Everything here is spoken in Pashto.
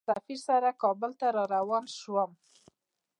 سفیر سره کابل ته روان شوم.